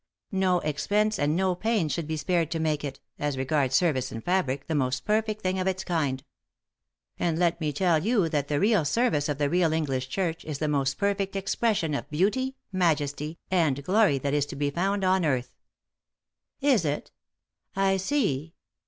No expense and no pains should be spared to make it, as regards service and fabric, the most perfect thing of its kind. And let me tell you that the real service of the real English Church is the most perfect expression of beauty, majesty, and glory that is to be found on earth." "Is it? I see."